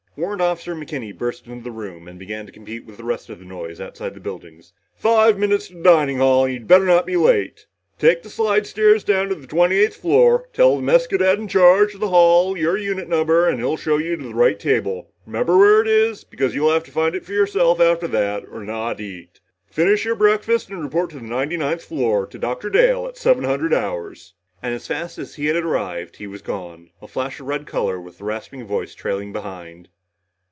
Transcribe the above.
Warrant Officer McKenny burst into the room and began to compete with the rest of the noise outside the buildings. "Five minutes to the dining hall and you'd better not be late! Take the slidestairs down to the twenty eighth floor. Tell the mess cadet in charge of the hall your unit number and he'll show you to the right table. Remember where it is, because you'll have to find it yourself after that, or not eat. Finish your breakfast and report to the ninety ninth floor to Dr. Dale at seven hundred hours!" And as fast as he had arrived, he was gone, a flash of red color with rasping voice trailing behind.